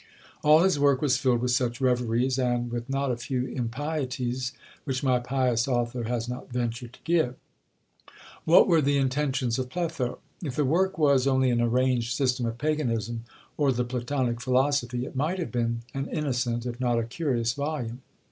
All his work was filled with such reveries, and, with not a few impieties, which my pious author has not ventured to give. What were the intentions of Pletho? If the work was only an arranged system of paganism, or the platonic philosophy, it might have been an innocent, if not a curious volume.